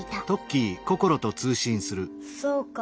そうか。